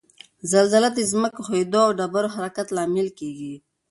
زلزله د ځمک ښویدو او ډبرو حرکت لامل کیږي